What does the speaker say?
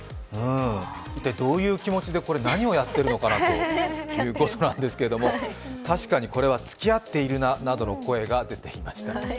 一体どういう気持ちで何をやっているのかということなんですけど確かに、これはつきあっているななどの声が出てました。